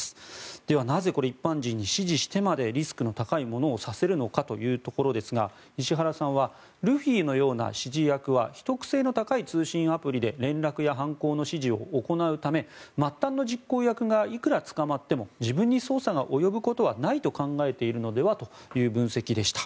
では、なぜ一般人に指示してまでリスクの高いものをさせるのかということですが石原さんはルフィのような指示役は秘匿性の高い通信アプリで連絡や犯行の指示を行うため末端の実行役がいくら捕まっても自分に捜査が及ぶことはないと考えているのではという分析でした。